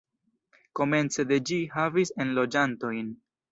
Komence de ĝi havis enloĝantojn.